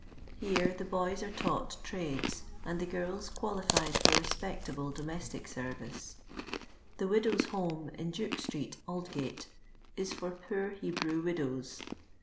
Here the boys nre taught trades, and the girls qualified for respectable domestic service. The Widows' Home, in Duke street, Aldgate, is for poor Hebrew widows.